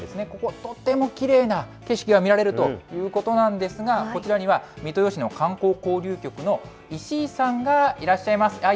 ここ、とてもきれいな景色が見られるということなんですが、こちらには三豊市の観光交流局の石井さんがいらっしゃいます。